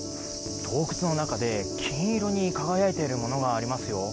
洞窟の中で金色に輝いているものがありますよ。